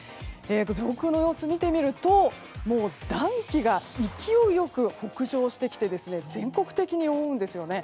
上空の様子、見てみると暖気が勢いよく北上してきて全国的に覆うんですね。